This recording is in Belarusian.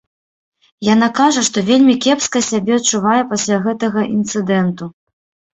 Яна кажа, што вельмі кепска сябе адчувае пасля гэтага інцыдэнту.